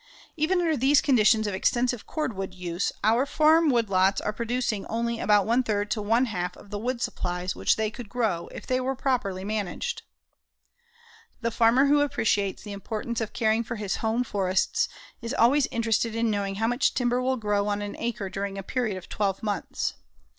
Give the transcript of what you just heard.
Even under these conditions of extensive cordwood use, our farm woodlots are producing only about one third to one half of the wood supplies which they could grow if they were properly managed. The farmer who appreciates the importance of caring for his home forests is always interested in knowing how much timber will grow on an acre during a period of twelve months.